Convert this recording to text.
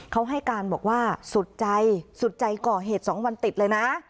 เขาให้การบอกว่าสุดใจสุดใจก่อเหตุ๒วันติดเลยนะ